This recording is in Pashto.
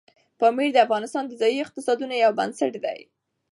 پامیر د افغانستان د ځایي اقتصادونو یو بنسټ دی.